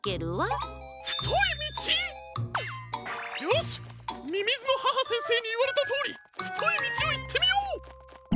よしみみずの母先生にいわれたとおりふといみちをいってみよう！